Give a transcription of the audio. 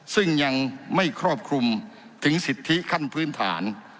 ซึ่งยังไม่ครอบคลุมถึงสิทธิขั้นพื้นฐาน